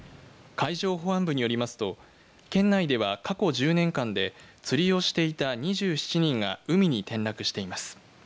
海上保安部によりますと県内では、過去１０年間で釣りをしていた２７人が海に転落しています。